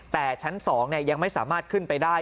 แต่ชั้น๒ยังไม่สามารถขึ้นไปได้